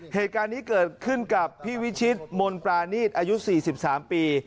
เหตุการณ์นี้เกิดขึ้นกับพี่วิชิตมนปรานีตอายุ๔๓ปี